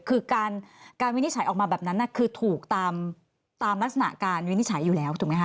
คือการวินิจฉัยออกมาแบบนั้นคือถูกตามลักษณะการวินิจฉัยอยู่แล้วถูกไหมค